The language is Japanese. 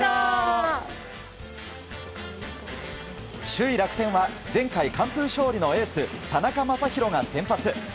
首位、楽天は前回、完封勝利のエース田中将大が先発。